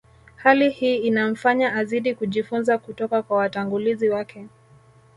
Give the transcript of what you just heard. Hali hii inamfanya azidi kujifunza kutoka kwa watangulizi wake